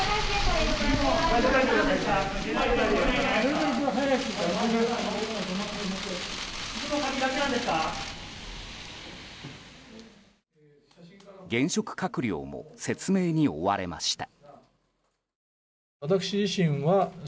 現職閣僚も説明に追われました。